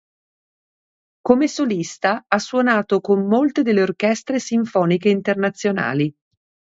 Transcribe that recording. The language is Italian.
Come solista ha suonato con molte delle orchestre sinfoniche internazionali.